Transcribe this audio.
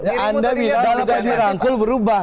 anda bilang sudah dirangkul berubah